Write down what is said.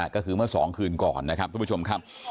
ก็คือเมื่อ๒คืนก่อนนะครับทุกผู้ชมครับ